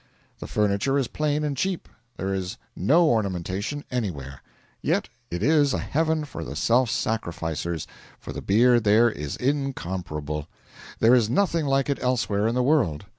The furniture is plain and cheap, there is no ornamentation anywhere; yet it is a heaven for the self sacrificers, for the beer there is incomparable; there is nothing like it elsewhere in the world.